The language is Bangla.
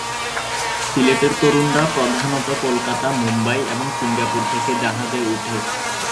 সিলেটের তরুণরা প্রধানত কলকাতা, মুম্বাই এবং সিঙ্গাপুর থেকে জাহাজে উঠে।